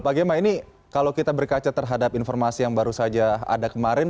pak gemma ini kalau kita berkaca terhadap informasi yang baru saja ada kemarin